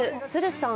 さん